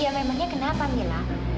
iya memangnya kenapa mila